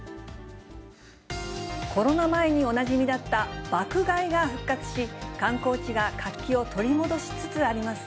コロナ前におなじみだった爆買いが復活し、観光地が活気を取り戻しつつあります。